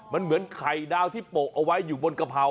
มันเหมือนไข่ดาวที่โปะเอาไว้อยู่บนกะเพรา